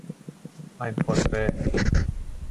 Ein Portrait.